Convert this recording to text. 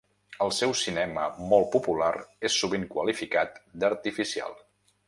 El seu cinema molt popular és sovint qualificat d'artificial.